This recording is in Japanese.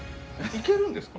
行けるんですね。